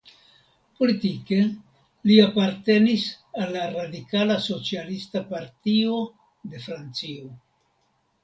Politike li apartenis al la Radikala Socialista Partio de Francio.